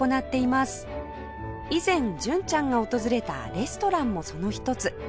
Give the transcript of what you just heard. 以前純ちゃんが訪れたレストランもその一つ